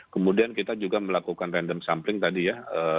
kemudian kita juga melakukan random sampling tadi ya